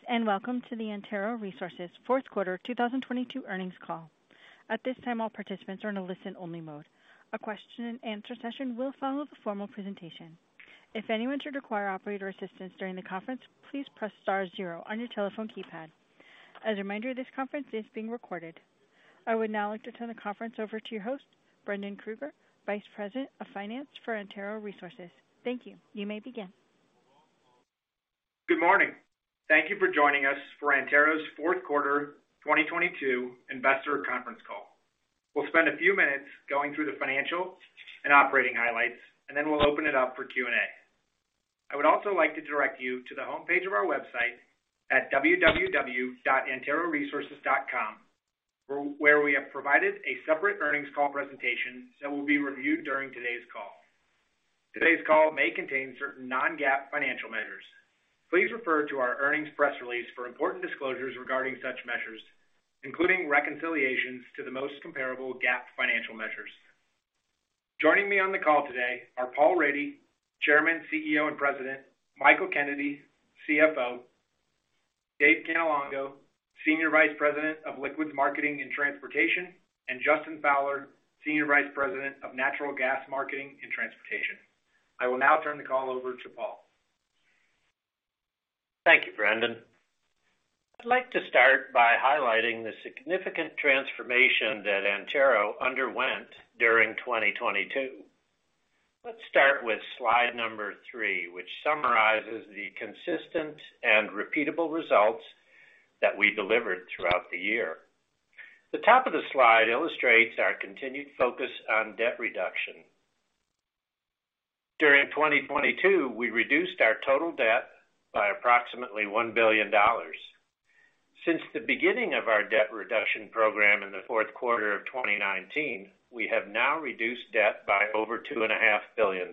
Greetings, and welcome to the Antero Resources Fourth Quarter 2022 Earnings Call. At this time, all participants are in a listen-only mode. A question and answer session will follow the formal presentation. If anyone should require operator assistance during the conference, please press star zero on your telephone keypad. As a reminder, this conference is being recorded. I would now like to turn the conference over to your host, Brendan Krueger, Vice President of Finance for Antero Resources. Thank you. You may begin. Good morning. Thank you for joining us for Antero's Fourth Quarter 2022 Investor Conference Call. We'll spend a few minutes going through the financial and operating highlights. Then we'll open it up for Q&A. I would also like to direct you to the homepage of our website at www.anteroresources.com, where we have provided a separate earnings call presentation that will be reviewed during today's call. Today's call may contain certain non-GAAP financial measures. Please refer to our earnings press release for important disclosures regarding such measures, including reconciliations to the most comparable GAAP financial measures. Joining me on the call today are Paul Rady, Chairman, CEO, and President, Michael Kennedy, CFO, David Cannelongo, Senior Vice President of Liquids Marketing and Transportation, and Justin Fowler, Senior Vice President of Natural Gas Marketing and Transportation. I will now turn the call over to Paul. Thank you, Brendan. I'd like to start by highlighting the significant transformation that Antero underwent during 2022. Let's start with slide number three, which summarizes the consistent and repeatable results that we delivered throughout the year. The top of the slide illustrates our continued focus on debt reduction. During 2022, we reduced our total debt by approximately $1 billion. Since the beginning of our debt reduction program in the fourth quarter of 2019, we have now reduced debt by over $2.5 billion.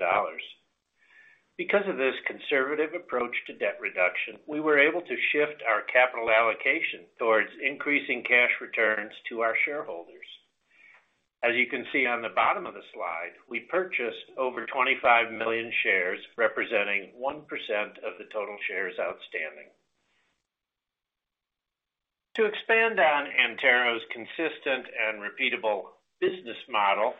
Because of this conservative approach to debt reduction, we were able to shift our capital allocation towards increasing cash returns to our shareholders. As you can see on the bottom of the slide, we purchased over 25 million shares, representing 1% of the total shares outstanding. To expand on Antero's consistent and repeatable business model,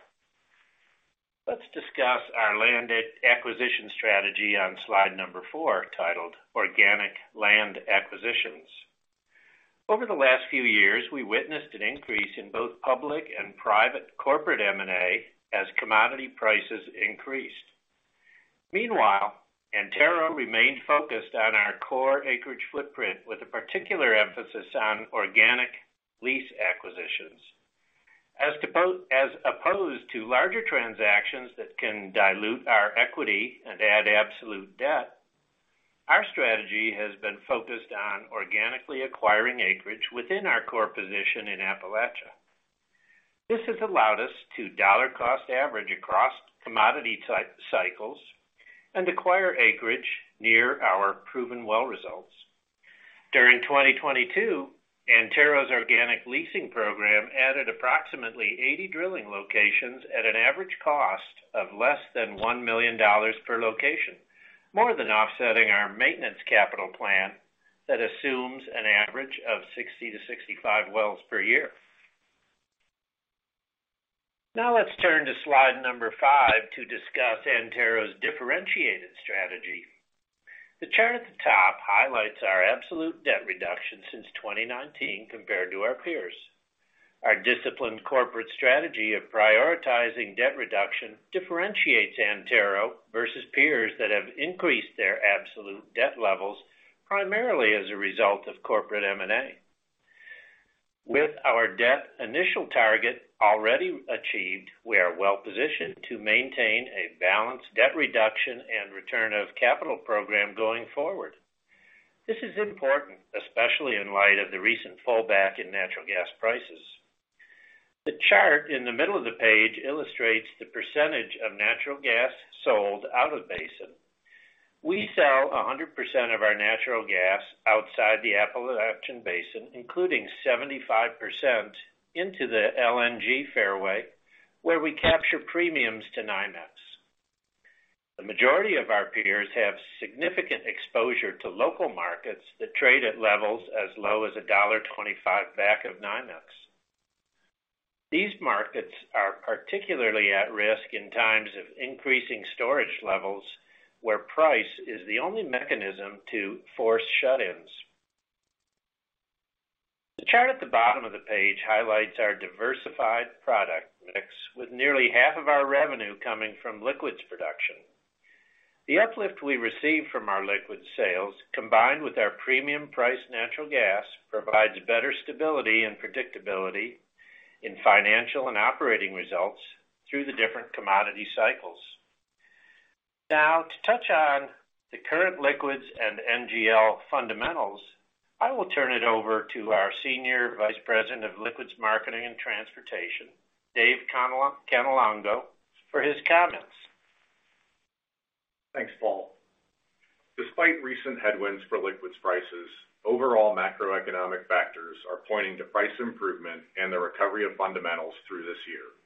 let's discuss our landed acquisition strategy on slide number four, titled Organic Land Acquisitions. Over the last few years, we witnessed an increase in both public and private corporate M&A as commodity prices increased. Meanwhile, Antero remained focused on our core acreage footprint with a particular emphasis on organic lease acquisitions. As opposed to larger transactions that can dilute our equity and add absolute debt, our strategy has been focused on organically acquiring acreage within our core position in Appalachia. This has allowed us to dollar cost average across commodity cycles and acquire acreage near our proven well results. During 2022, Antero's organic leasing program added approximately 80 drilling locations at an average cost of less than $1 million per location, more than offsetting our maintenance capital plan that assumes an average of 60-65 wells per year. Let's turn to slide five to discuss Antero's differentiated strategy. The chart at the top highlights our absolute debt reduction since 2019 compared to our peers. Our disciplined corporate strategy of prioritizing debt reduction differentiates Antero versus peers that have increased their absolute debt levels primarily as a result of corporate M&A. With our debt initial target already achieved, we are well-positioned to maintain a balanced debt reduction and return of capital program going forward. This is important, especially in light of the recent fallback in natural gas prices. The chart in the middle of the page illustrates the percentage of natural gas sold out of basin. We sell 100% of our natural gas outside the Appalachian Basin, including 75% into the LNG fairway, where we capture premiums to NYMEX. The majority of our peers have significant exposure to local markets that trade at levels as low as $1.25 back of NYMEX. These markets are particularly at risk in times of increasing storage levels, where price is the only mechanism to force shut-ins. The chart at the bottom of the page highlights our diversified product mix with nearly half of our revenue coming from liquids production. The uplift we receive from our liquid sales, combined with our premium priced natural gas, provides better stability and predictability in financial and operating results through the different commodity cycles. To touch on the current liquids and NGL fundamentals, I will turn it over to our Senior Vice President of Liquids Marketing and Transportation, Dave Cannelongo, for his comments. Thanks, Paul. Despite recent headwinds for liquids prices, overall macroeconomic factors are pointing to price improvement and the recovery of fundamentals through this year.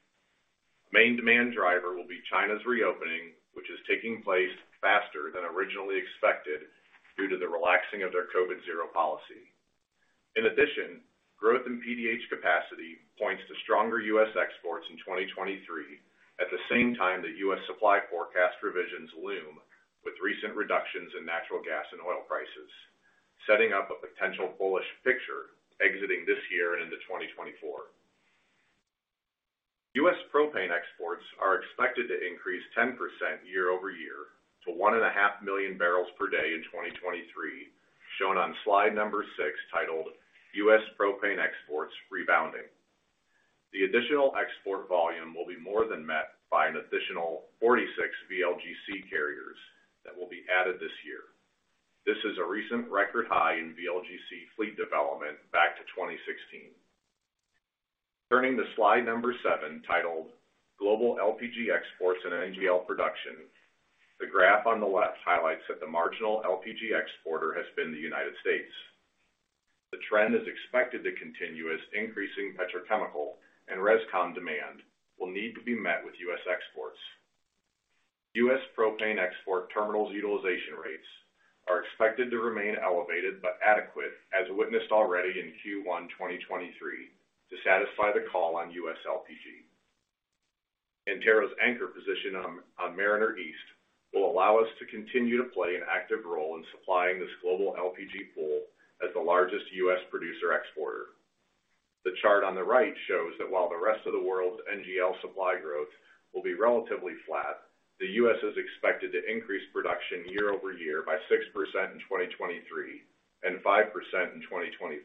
Main demand driver will be China's reopening, which is taking place faster than originally expected due to the relaxing of their COVID-Zero policy. In addition, growth in PDH capacity points to stronger US exports in 2023 at the same time that US supply forecast revisions loom with recent reductions in natural gas and oil prices, setting up a potential bullish picture exiting this year and into 2024. US propane exports are expected to increase 10% year-over-year to one and a half million barrels per day in 2023, shown on slide number six titled US Propane Exports Rebounding. The additional export volume will be more than met by an additional 46 VLGC carriers that will be added this year. This is a recent record high in VLGC fleet development back to 2016. Turning to slide number 7, titled Global LPG Exports and NGL Production, the graph on the left highlights that the marginal LPG exporter has been the United States. The trend is expected to continue as increasing petrochemical and rescom demand will need to be met with U.S. exports. U.S. propane export terminals utilization rates are expected to remain elevated but adequate, as witnessed already in Q1 2023, to satisfy the call on U.S. LPG. Antero's anchor position on Mariner East will allow us to continue to play an active role in supplying this global LPG pool as the largest U.S. producer exporter. The chart on the right shows that while the rest of the world's NGL supply growth will be relatively flat, the U.S. is expected to increase production year-over-year by 6% in 2023 and 5% in 2024.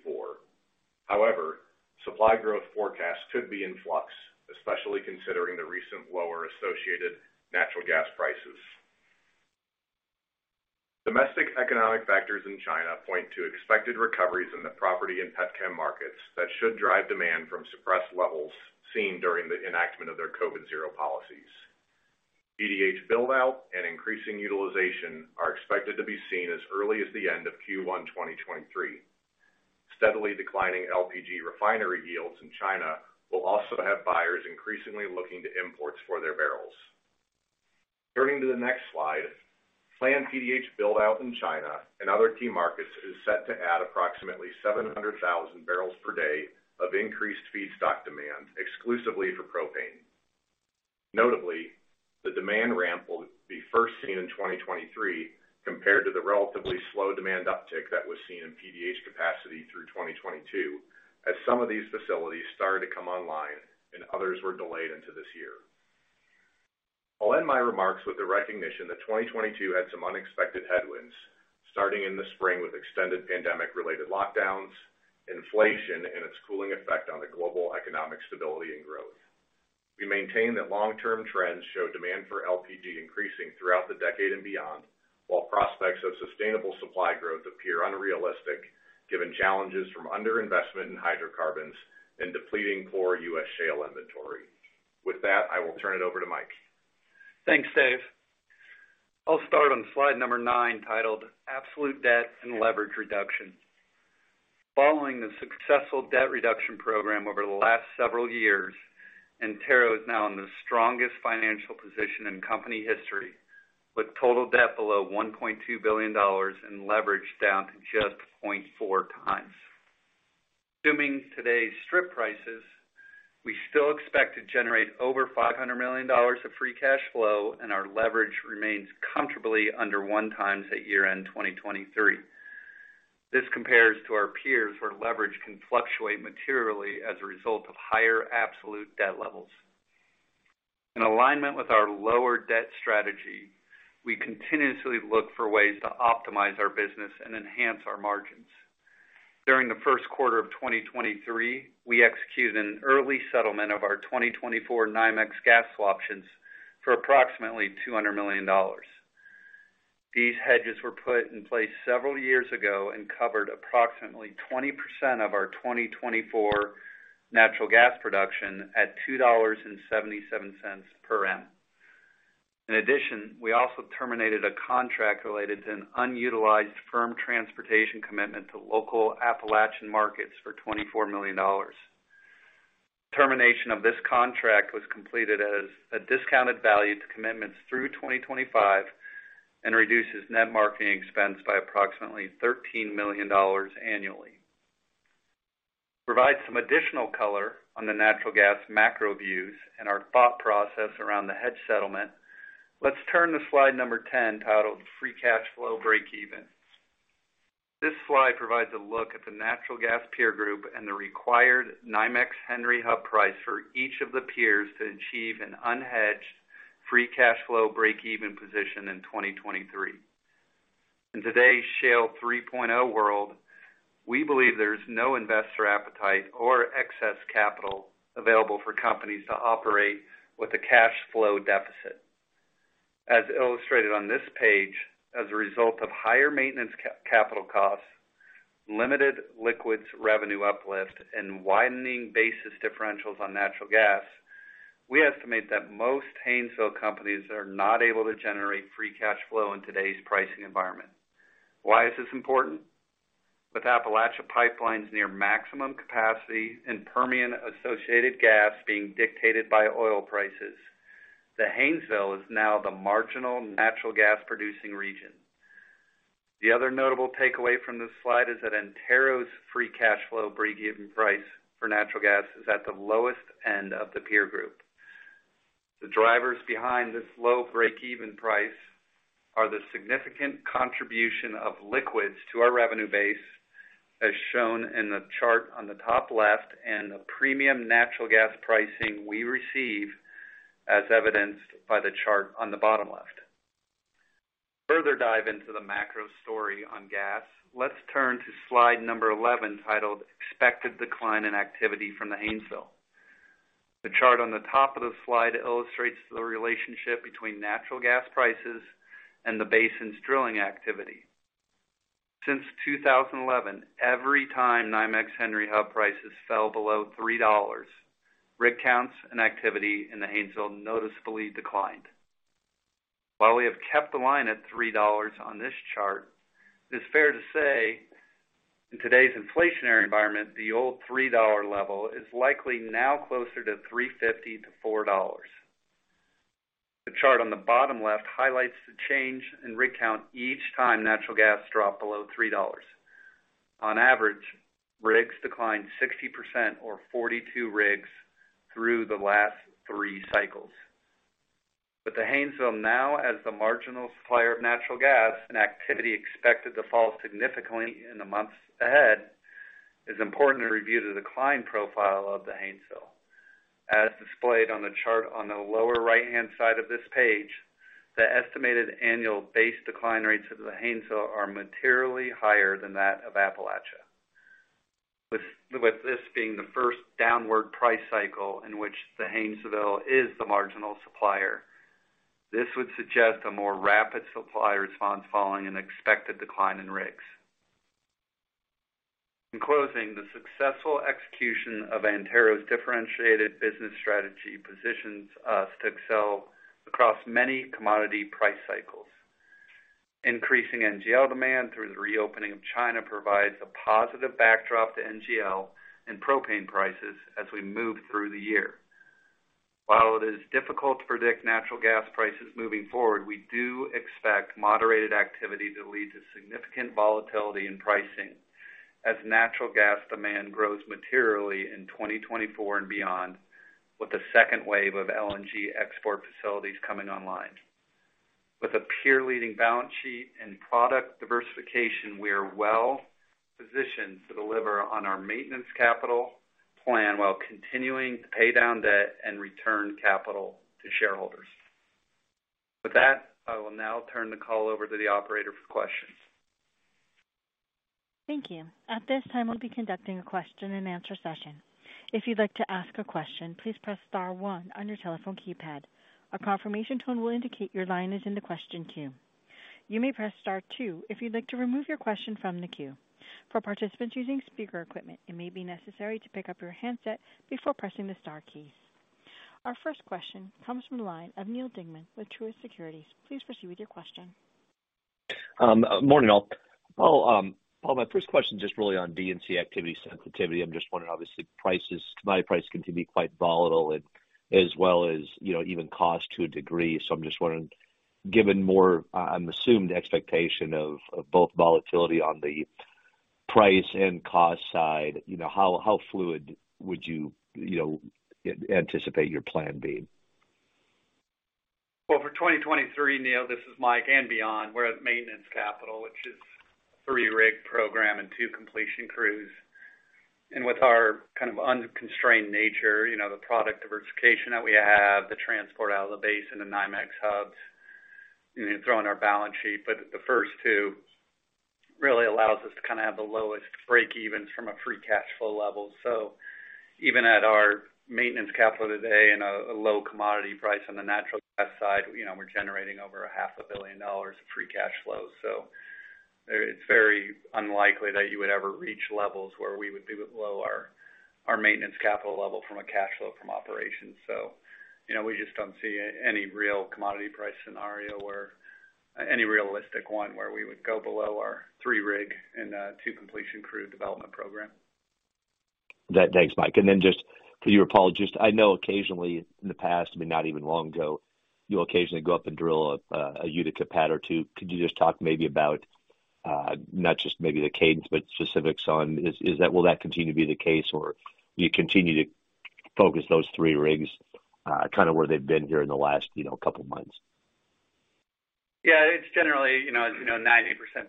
However, supply growth forecasts could be in flux, especially considering the recent lower associated natural gas prices. Domestic economic factors in China point to expected recoveries in the property and petchem markets that should drive demand from suppressed levels seen during the enactment of their COVID-Zero policies. PDH build-out and increasing utilization are expected to be seen as early as the end of Q1 2023. Steadily declining LPG refinery yields in China will also have buyers increasingly looking to imports for their barrels. Turning to the next slide, planned PDH build-out in China and other key markets is set to add approximately 700,000 barrels per day of increased feedstock demand exclusively for propane. Notably, the demand ramp will be first seen in 2023 compared to the relatively slow demand uptick that was seen in PDH capacity through 2022 as some of these facilities started to come online and others were delayed into this year. I'll end my remarks with the recognition that 2022 had some unexpected headwinds, starting in the spring with extended pandemic-related lockdowns, inflation, and its cooling effect on the global economic stability and growth. We maintain that long-term trends show demand for LPG increasing throughout the decade and beyond, while prospects of sustainable supply growth appear unrealistic given challenges from underinvestment in hydrocarbons and depleting poor U.S. shale inventory. With that, I will turn it over to Mike. Thanks, Dave. I'll start on slide number nine titled Absolute Debt and Leverage Reduction. Following the successful debt reduction program over the last several years, Antero is now in the strongest financial position in company history, with total debt below $1.2 billion and leverage down to just 0.4x. Assuming today's strip prices, we still expect to generate over $500 million of free cash flow and our leverage remains comfortably under 1x at year-end 2023. This compares to our peers where leverage can fluctuate materially as a result of higher absolute debt levels. In alignment with our lower debt strategy, we continuously look for ways to optimize our business and enhance our margins. During the first quarter of 2023, we executed an early settlement of our 2024 NYMEX gas options for approximately $200 million. These hedges were put in place several years ago and covered approximately 20% of our 2024 natural gas production at $2.77 per M. We also terminated a contract related to an unutilized firm transportation commitment to local Appalachian markets for $24 million. Termination of this contract was completed at a discounted value to commitments through 2025 and reduces net marketing expense by approximately $13 million annually. To provide some additional color on the natural gas macro views and our thought process around the hedge settlement, let's turn to slide number 10 titled free cash flow Breakeven. This slide provides a look at the natural gas peer group and the required NYMEX Henry Hub price for each of the peers to achieve an unhedged free cash flow breakeven position in 2023. In today's Shale 3.0 world, we believe there's no investor appetite or excess capital available for companies to operate with a cash flow deficit. As illustrated on this page, as a result of higher maintenance capital costs, limited liquids revenue uplift, and widening basis differentials on natural gas, we estimate that most Haynesville companies are not able to generate free cash flow in today's pricing environment. Why is this important? With Appalachia pipelines near maximum capacity and Permian associated gas being dictated by oil prices, the Haynesville is now the marginal natural gas-producing region. The other notable takeaway from this slide is that Antero's free cash flow breakeven price for natural gas is at the lowest end of the peer group, The drivers behind this low breakeven price are the significant contribution of liquids to our revenue base, as shown in the chart on the top left, and the premium natural gas pricing we receive, as evidenced by the chart on the bottom left. Further dive into the macro story on gas. Let's turn to slide number 11, titled Expected Decline in Activity from the Haynesville. The chart on the top of the slide illustrates the relationship between natural gas prices and the basin's drilling activity. Since 2011, every time NYMEX Henry Hub prices fell below $3, rig counts and activity in the Haynesville noticeably declined. While we have kept the line at $3 on this chart, it is fair to say, in today's inflationary environment, the old $3 level is likely now closer to $3.50-$4. The chart on the bottom left highlights the change in rig count each time natural gas dropped below $3. On average, rigs declined 60% or 42 rigs through the last three cycles. With the Haynesville now as the marginal supplier of natural gas and activity expected to fall significantly in the months ahead, it's important to review the decline profile of the Haynesville. As displayed on the chart on the lower right-hand side of this page, the estimated annual base decline rates of the Haynesville are materially higher than that of Appalachia. With this being the first downward price cycle in which the Haynesville is the marginal supplier, this would suggest a more rapid supply response following an expected decline in rigs. In closing, the successful execution of Antero's differentiated business strategy positions us to excel across many commodity price cycles. Increasing NGL demand through the reopening of China provides a positive backdrop to NGL and propane prices as we move through the year. While it is difficult to predict natural gas prices moving forward, we do expect moderated activity that leads to significant volatility in pricing as natural gas demand grows materially in 2024 and beyond, with the second wave of LNG export facilities coming online. With a peer-leading balance sheet and product diversification, we are well-positioned to deliver on our maintenance capital plan while continuing to pay down debt and return capital to shareholders. With that, I will now turn the call over to the operator for questions. Thank you. At this time, we'll be conducting a question-and-answer session. If you'd like to ask a question, please press star one on your telephone keypad. A confirmation tone will indicate your line is in the question queue. You may press star two if you'd like to remove your question from the queue. For participants using speaker equipment, it may be necessary to pick up your handset before pressing the star keys. Our first question comes from the line of Neal Dingmann with Truist Securities. Please proceed with your question. Morning, all. Paul, my first question is just really on D&C activity sensitivity. I'm just wondering, obviously prices, commodity prices continue to be quite volatile and as well as, you know, even cost to a degree. I'm just wondering, given more an assumed expectation of both volatility on the price and cost side, you know, how fluid would you know, anticipate your plan being? For 2023, Neal, this is Michael, and beyond, we're at maintenance capital, which is three rig program and two completion crews. With our kind of unconstrained nature, you know, the product diversification that we have, the transport out of the base and the NYMEX hubs, you know, throw in our balance sheet. The first two really allows us to kind of have the lowest breakevens from a free cash flow level. Even at our maintenance capital today and a low commodity price on the natural gas side, you know, we're generating over half a billion dollars of free cash flow. It's very unlikely that you would ever reach levels where we would be below our maintenance capital level from a cash flow from operations. You know, we just don't see any real commodity price scenario or any realistic one where we would go below our three rig and two completion crew development program. Thanks, Mike. Then just for you, Paul, just I know occasionally in the past, I mean, not even long ago, you occasionally go up and drill a Utica pad or two. Could you just talk maybe about, not just maybe the cadence, but specifics on is that will that continue to be the case, or do you continue to focus those three rigs, kind of where they've been here in the last, you know, couple of months? Yeah, it's generally, you know, 90%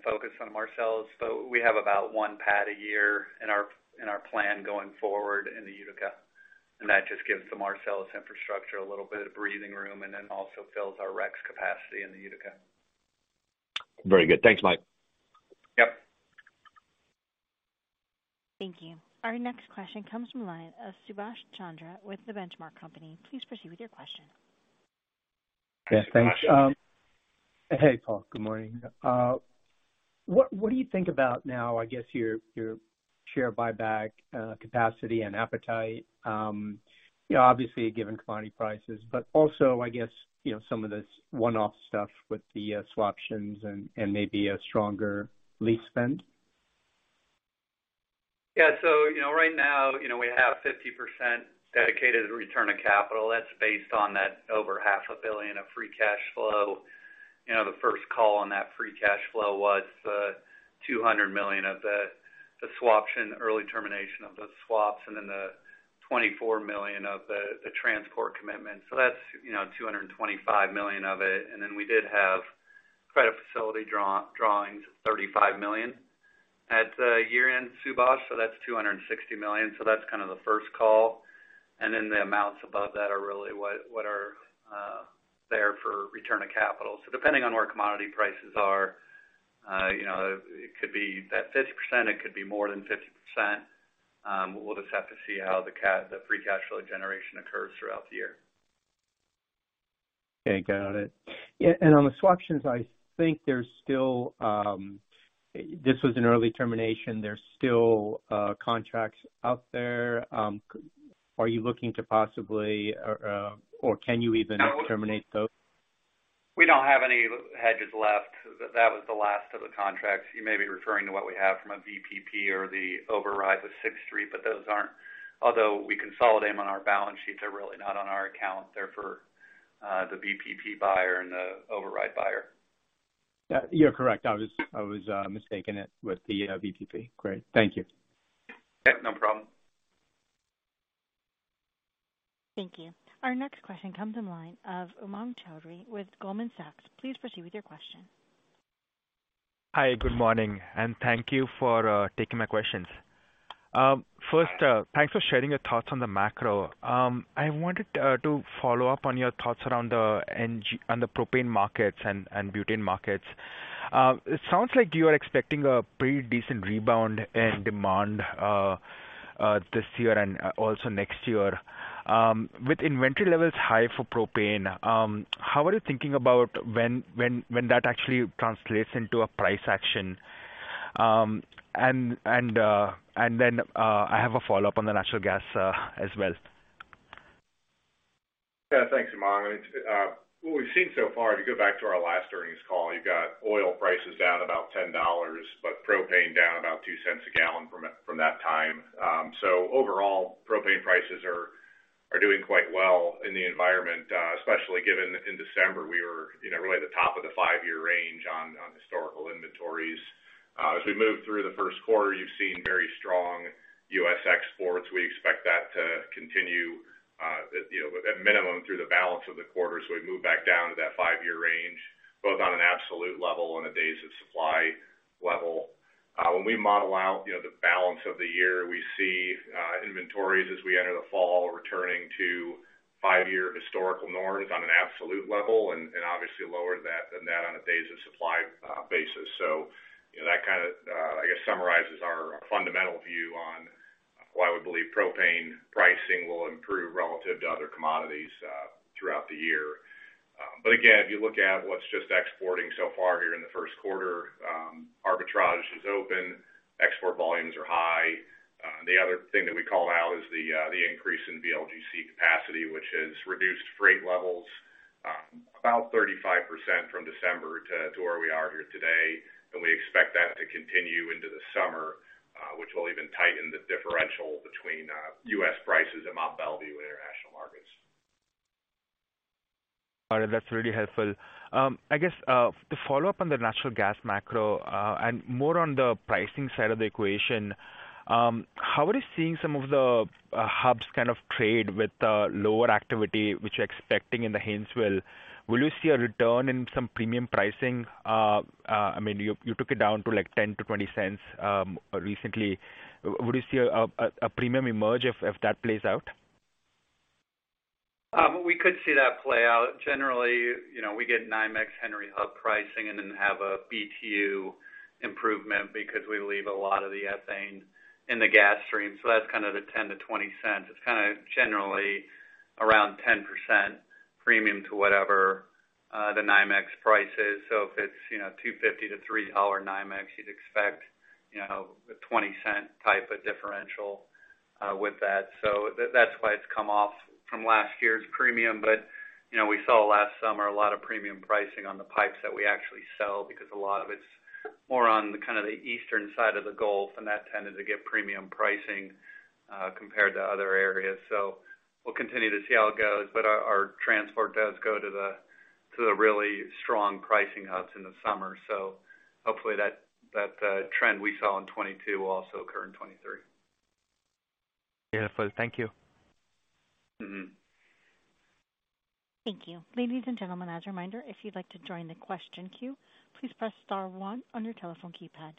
focused on Marcellus, but we have about one pad a year in our, in our plan going forward in the Utica. That just gives the Marcellus infrastructure a little bit of breathing room, and then also fills our REX capacity in the Utica. Very good. Thanks, Mike. Yep. Thank you. Our next question comes from a line of Subhash Chandra with The Benchmark Company. Please proceed with your question. Yeah, thanks. Hey, Paul. Good morning. What do you think about now, I guess, your... Share buyback, capacity and appetite, you know, obviously given commodity prices, but also, I guess, you know, some of this one-off stuff with the swaptions and maybe a stronger lease spend. You know, right now, you know, we have 50% dedicated return of capital. That's based on that over half a billion of free cash flow. You know, the first call on that free cash flow was $200 million of the swaption early termination of those swaps, and then the $24 million of the transport commitment. That's, you know, $225 million of it. We did have credit facility drawings, $35 million at year-end, Subash. That's $260 million. That's kind of the first call. The amounts above that are really what are there for return of capital. Depending on where commodity prices are, you know, it could be that 50%, it could be more than 50%. We'll just have to see how the free cash flow generation occurs throughout the year. Okay. Got it. On the swaptions, I think there's still, this was an early termination. There's still contracts out there. Are you looking to possibly, or can you even terminate those? We don't have any hedges left. That was the last of the contracts. You may be referring to what we have from a VPP or the override with Sixth Street, but those aren't... Although we consolidate them on our balance sheets, they're really not on our account. They're for the VPP buyer and the override buyer. Yeah, you're correct. I was mistaken with the VPP. Great. Thank you. Yeah, no problem. Thank you. Our next question comes in line of Umang Choudhary with Goldman Sachs. Please proceed with your question. Hi, good morning, and thank you for taking my questions. First, thanks for sharing your thoughts on the macro. I wanted to follow up on your thoughts around the propane markets and butane markets. It sounds like you are expecting a pretty decent rebound in demand this year and also next year. With inventory levels high for propane, how are you thinking about when that actually translates into a price action? Then, I have a follow-up on the natural gas as well. Thanks, Umang. I mean, what we've seen so far, if you go back to our last earnings call, you've got oil prices down about $10, but propane down about $0.02 a gallon from that time. Overall, propane prices are doing quite well in the environment, especially given in December, we were, you know, really at the top of the five-year range on historical inventories. As we move through the first quarter, you've seen very strong U.S. exports. We expect that to continue, you know, at minimum through the balance of the quarter. We move back down to that five-year range, both on an absolute level and a days of supply level. When we model out, you know, the balance of the year, we see inventories as we enter the fall, returning to five-year historical norms on an absolute level and obviously lower that than that on a days of supply, basis. You know, that kind of, I guess, summarizes our fundamental view on why we believe propane pricing will improve relative to other commodities throughout the year. Again, if you look at what's just exporting so far here in the first quarter, arbitrage is open, export volumes are high. The other thing that we call out is the increase in VLGC capacity, which has reduced freight levels about 35% from December to where we are here today. We expect that to continue into the summer, which will even tighten the differential between U.S. prices and Mont Belvieu international markets. All right. That's really helpful. I guess to follow up on the natural gas macro, and more on the pricing side of the equation, how are you seeing some of the hubs kind of trade with the lower activity which you're expecting in the Haynesville? Will you see a return in some premium pricing? I mean, you took it down to, like, $0.10-$0.20 recently. Would you see a premium emerge if that plays out? We could see that play out. Generally, you know, we get NYMEX Henry Hub pricing and then have a BTU improvement because we leave a lot of the ethane in the gas stream. That's kind of the $0.10-$0.20. It's kind of generally around 10% premium to whatever the NYMEX price is. If it's, you know, $2.50-$3 NYMEX, you'd expect, you know, a $0.20 type of differential with that. That's why it's come off from last year's premium. You know, we saw last summer a lot of premium pricing on the pipes that we actually sell because a lot of it's more on the kind of the eastern side of the Gulf, and that tended to get premium pricing compared to other areas. We'll continue to see how it goes. Our transport does go to the really strong pricing hubs in the summer. Hopefully that trend we saw in 2022 will also occur in 2023. Beautiful. Thank you. Mm-hmm. Thank you. Ladies and gentlemen, as a reminder, if you'd like to join the question queue, please press star one on your telephone keypad.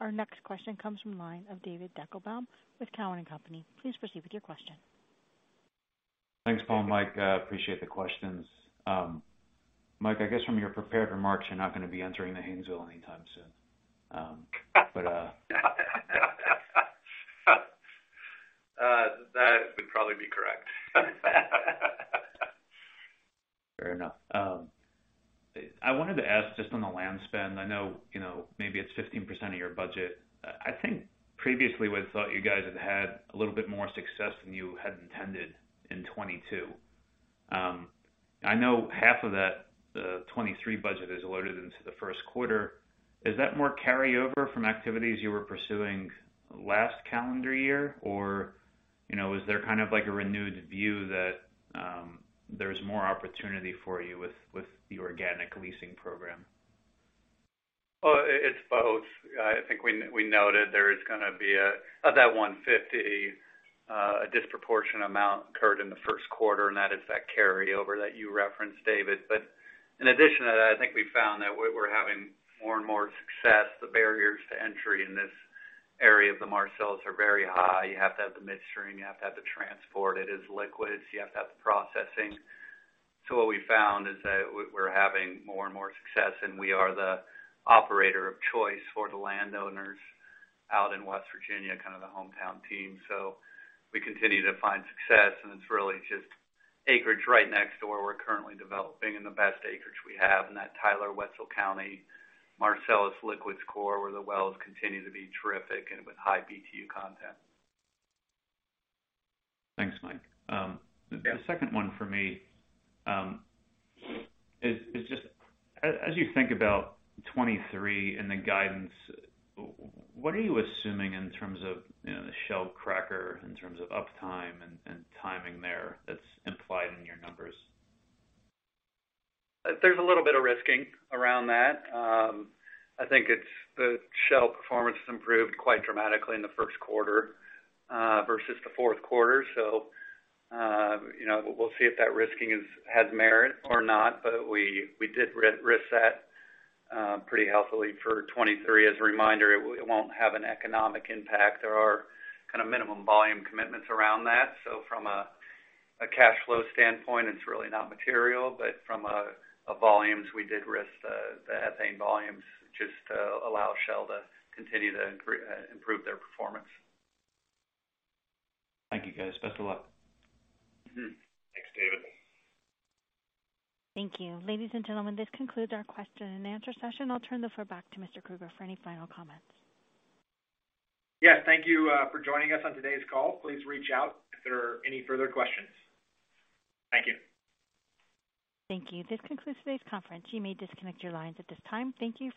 Our next question comes from line of David Deckelbaum with Cowen and Company. Please proceed with your question. Thanks, Paul. Mike, I appreciate the questions. Mike, I guess from your prepared remarks, you're not gonna be entering the Haynesville anytime soon. That would probably be correct. Fair enough. I wanted to ask just on the land spend, I know, you know, maybe it's 15% of your budget. I think previously we thought you guys had a little bit more success than you had intended in 2022. I know half of that, the 2023 budget is loaded into the 1st quarter. Is that more carryover from activities you were pursuing last calendar year? You know, is there kind of like a renewed view that, there's more opportunity for you with the organic leasing program? Well, it's both. I think we noted there is going to be Of that 150, a disproportionate amount occurred in the first quarter, and that is that carryover that you referenced, David. In addition to that, I think we found that we're having more and more success. The barriers to entry in this area of the Marcellus are very high. You have to have the midstream, you have to have the transport. It is liquids. You have to have the processing. What we found is that we're having more and more success, and we are the operator of choice for the landowners out in West Virginia, kind of the hometown team. We continue to find success, and it's really just acreage right next to where we're currently developing and the best acreage we have in that Tyler, Wetzel County Marcellus liquids core, where the wells continue to be terrific and with high BTU content. Thanks, Mike. Yeah. The second one for me, is just as you think about 2023 and the guidance, what are you assuming in terms of, you know, the Shell cracker in terms of uptime and timing there that's implied in your numbers? There's a little bit of risking around that. I think it's the Shell performance has improved quite dramatically in the first quarter versus the fourth quarter. You know, we'll see if that risking has merit or not. We did risk that pretty healthily for 2023. As a reminder, it won't have an economic impact. There are kind of minimum volume commitments around that. From a cash flow standpoint, it's really not material. From a volumes, we did risk the ethane volumes just to allow Shell to continue to improve their performance. Thank you, guys. Best of luck. Mm-hmm. Thanks, David. Thank you. Ladies and gentlemen, this concludes our question and answer session. I'll turn the floor back to Mr. Krueger for any final comments. Yes, thank you, for joining us on today's call. Please reach out if there are any further questions. Thank you. Thank you. This concludes today's conference. You may disconnect your lines at this time. Thank you for your participation.